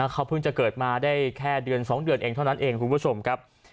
เขาเพิ่งจะเกิดมาได้แค่เดือน๒เดือนเองเท่านั้นเองคุณผู้ชมครับ